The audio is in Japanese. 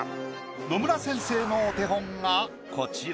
野村先生のお手本がこちら。